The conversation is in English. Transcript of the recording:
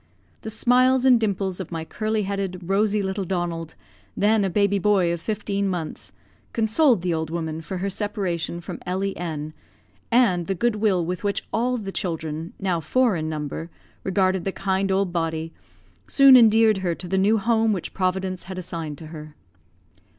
The smiles and dimples of my curly headed, rosy little Donald, then a baby boy of fifteen months, consoled the old woman for her separation from Ellie N ; and the good will with which all the children (now four in number) regarded the kind old body, soon endeared to her the new home which Providence had assigned to her.